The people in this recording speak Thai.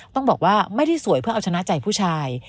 ต้องบอกว่าไม่ได้สวยเพื่อเอาชนะใจผู้ชาย